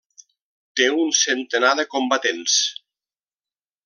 Té un centenar de combatents.